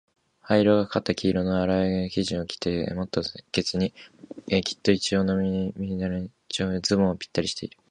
灰色がかった黄色のあらい生地の服を着て、もっと清潔で、もっと一様な身なりをしていた。上衣はだぶだぶで、ズボンはぴったりしている。